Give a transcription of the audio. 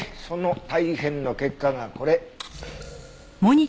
その大変の結果がこれ。